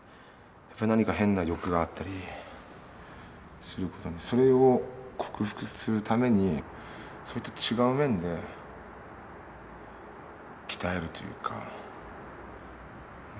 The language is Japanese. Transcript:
何か変な欲があったりすることにそれを克服するためにそういった違う面で鍛えるというか。